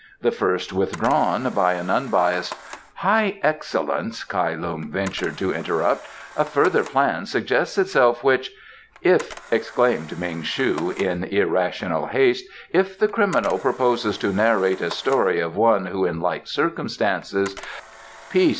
The first withdrawn by an unbiased " "High Excellence," Kai Lung ventured to interrupt, "a further plan suggests itself which " "If," exclaimed Ming shu in irrational haste, "if the criminal proposes to narrate a story of one who in like circumstances " "Peace!"